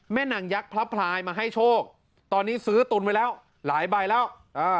นางยักษ์พระพลายมาให้โชคตอนนี้ซื้อตุนไว้แล้วหลายใบแล้วอ่า